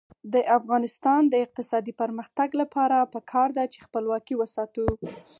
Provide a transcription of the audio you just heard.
د افغانستان د اقتصادي پرمختګ لپاره پکار ده چې خپلواکي وساتو.